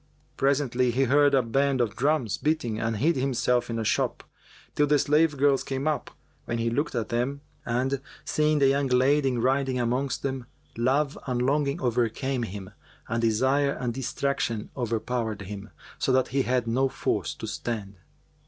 Presently, he heard a band of drums beating and hid himself in a shop, till the slave girls came up, when he looked at them; and, seeing the young lady riding amongst them, love and longing overcame him and desire and distraction overpowered him, so that he had no force to stand.